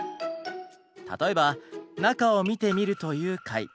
例えば「中を見てみる」という回。